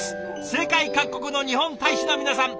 世界各国の日本大使の皆さん